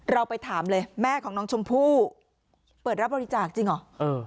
เราไปถามเลยแม่ของน้องชมพู่เปิดรับบริจาคจริงเหรอ